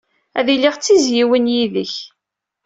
Ad iliɣ d tizzyiwin yid-k.